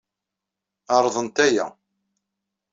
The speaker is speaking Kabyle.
Ɛerḍent aya.